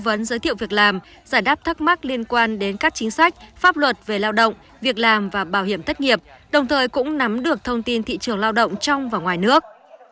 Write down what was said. tư vấn giới thiệu việc làm giải đáp thắc mắc liên quan đến các chính sách pháp luật về lao động việc làm và bảo hiểm thất nghiệp đồng thời cũng nắm được thông tin thị trường lao động trong và ngoài nước